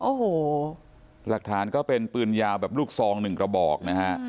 โอ้โหหลักฐานก็เป็นปืนยาวแบบลูกซองหนึ่งกระบอกนะฮะ